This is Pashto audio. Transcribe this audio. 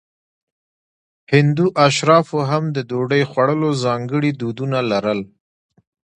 هندو اشرافو هم د ډوډۍ خوړلو ځانګړي دودونه لرل.